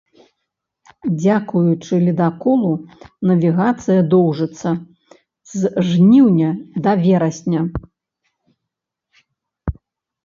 Дзякуючы ледаколу навігацыя доўжыцца з жніўня да верасня.